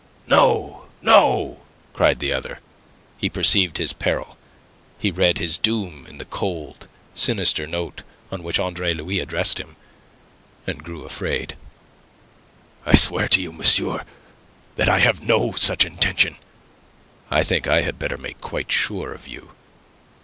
"No, no!" cried the other. He perceived his peril. He read his doom in the cold, sinister note on which Andre Louis addressed him, and grew afraid. "I swear to you, monsieur, that I have no such intention." "I think I had better make quite sure of you."